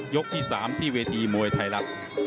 ยกที่๓ที่เวทีมวยไทยรักษณ์